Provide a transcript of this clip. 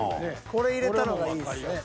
［これ入れたのがいいっすね］